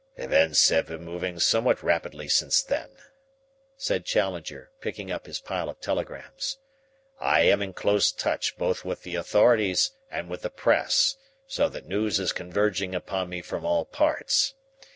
"Events have been moving somewhat rapidly since then," said Challenger, picking up his pile of telegrams. "I am in close touch both with the authorities and with the press, so that news is converging upon me from all parts.